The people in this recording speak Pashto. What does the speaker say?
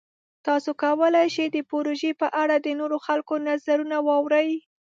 تاسو کولی شئ د پروژې په اړه د نورو خلکو نظرونه واورئ.